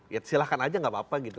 ya silahkan aja gak apa apa gitu